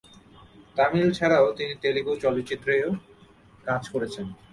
তামিল ছাড়াও তিনি তেলুগু চলচ্চিত্রেও কাজ করেছেন।